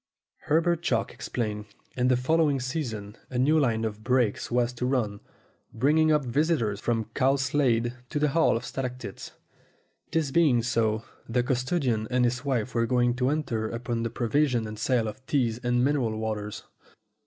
Herbert Chalk explained. In the following season a new line of brakes was to run, bringing up visitors from Cowslade to the Hall of Stalactites. This being so, the custodian and his wife were going to enter upon the provision and sale of teas and mineral waters.